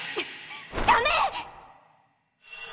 ダメ！